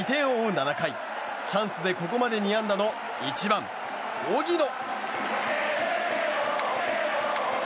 ７回チャンスでここまで２安打の１番、荻野。